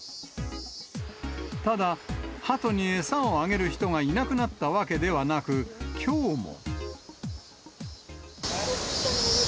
ただ、ハトに餌をあげる人がいなくなったわけではなく、きょうも。